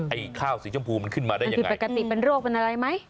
ไอ้ข้าวสีชมพูมันขึ้นมาได้ยังไงคือปกติเป็นโรคเป็นอะไรไหม